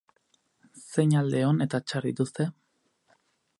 Zein alde on eta txar dituzte?